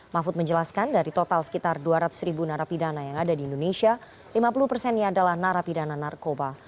mahfud menjelaskan dari total sekitar dua ratus ribu narapidana yang ada di indonesia lima puluh persennya adalah narapidana narkoba